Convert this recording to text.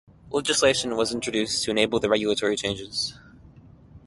Legislation was introduced to enable the regulatory changes.